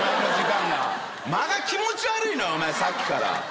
間が気持ち悪いのさっきから。